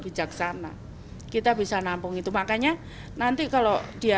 bijaksana kita bisa berada di sebuah keadaan yang baik dengan tuhan kita tidak bisa berada di sebuah